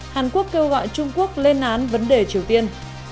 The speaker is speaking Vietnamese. hàn quốc kêu gọi trung quốc lên án vấn đề triều tiên